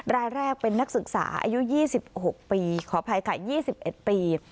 รายแรกเป็นนักศึกษาอายุยี่สิบหกปีขออภัยค่ะยี่สิบเอ็ดปี